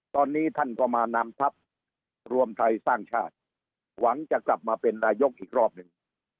ตอนนี้ท่านก็มานำทัพรวมไทยสร้างชาติหวังจะกลับมาเป็นนายกอีกรอบหนึ่ง